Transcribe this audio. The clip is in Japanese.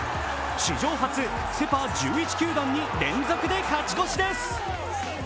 史上初、セ・パ１１球団に連続で勝ち越しです。